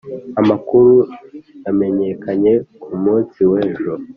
amakuru yamenyekanye ku munsi w’ejo